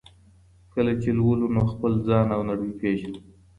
کله چي لولو نو خپل ځان او نړۍ پېژنو.